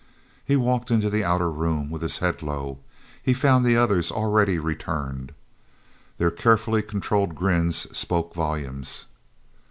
He walked into the outer room with his head low. He found the others already returned. Their carefully controlled grins spoke volumes.